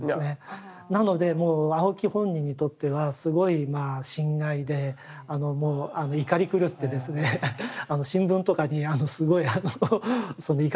なのでもう青木本人にとってはすごいまあ心外でもう怒り狂ってですね新聞とかにすごい怒りに任せた文章を書いたりとかですね。